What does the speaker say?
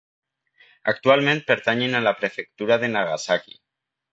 Actualment pertanyen a la Prefectura de Nagasaki.